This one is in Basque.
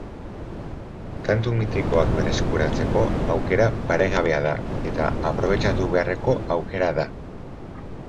Kantu mitikoak berreskuratzeko aukera paregabea da, eta aprobetxatu beharreko aukera da.